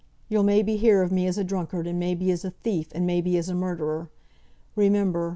you'll may be hear of me as a drunkard, and may be as a thief, and may be as a murderer. Remember!